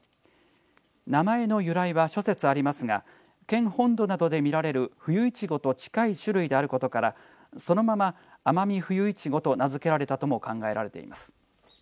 名前の由来は、諸説ありますが県本土などで見られるフユイチゴと近い種類であることからそのままアマミフユイチゴと名付けられたとも考えられています。